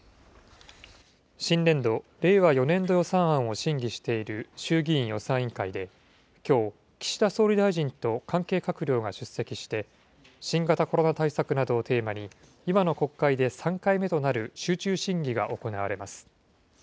新年度・令和４年度予算案を審議している衆議院予算委員会で、きょう、岸田総理大臣と関係閣僚が出席して、新型コロナ対策などをテーマに、今の国会で３回目となる集中審議が行われます。